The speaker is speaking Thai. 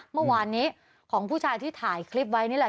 เมื่อวานนี้ของผู้ชายที่ถ่ายคลิปไว้นี่แหละ